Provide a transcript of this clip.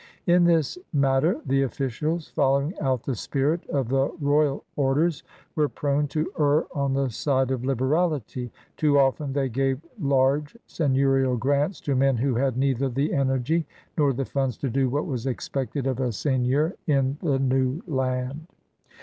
In this matter the officials, foUow ing out the spirit of the royal orders, were prone to err on the side of liberality. Too often th^ gave large seigneiirial grants to men who had neither the energy nor the funds to do what was expected of a seigneur in the new land.